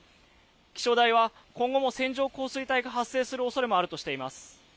気象台は今後も線状降水帯が発生するおそれもあるとしています。